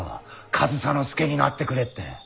上総介になってくれって。